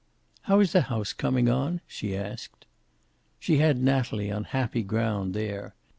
"How is the house coming on?" she asked. She had Natalie on happy ground there.